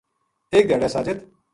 ایک دھیاڑے ساجد